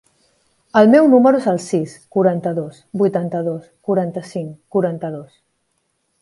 El meu número es el sis, quaranta-dos, vuitanta-dos, quaranta-cinc, quaranta-dos.